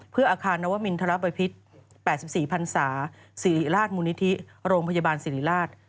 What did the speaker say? เพื่ออาคารนวมินทรบพิษ๘๔พันศาสิริราชมูลนิธิโรงพยาบาลสิริราช